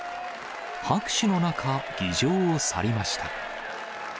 拍手の中、議場を去りました。